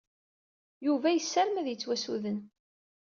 Yuba yessarem ad yettwassuden.